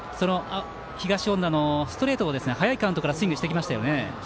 東恩納のストレートを早いカウントからスイングしてきましたよね。